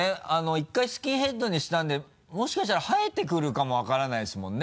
１回スキンヘッドにしたんでもしかしたら生えてくるかも分からないですもんね？